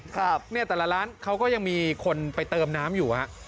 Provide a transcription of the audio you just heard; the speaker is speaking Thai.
แต่ละร้านเขาก็ยังมีคนไปเติมน้ำอยู่